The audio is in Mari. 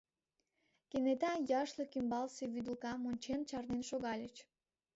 Кенета, яшлык ӱмбалсе вӱдылкам ончен, чарнен шогальыч.